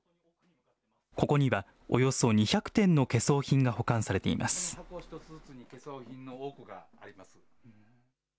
ここにはおよそ２００点の懸装品が保管されています。